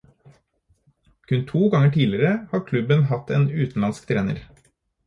Kun to ganger tidligere har klubben hatt en utenlandsk trener.